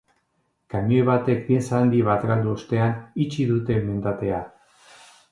Kamioi batek pieza handi bat galdu ostean itxi dute mendatea.